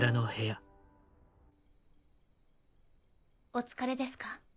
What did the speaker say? お疲れですか？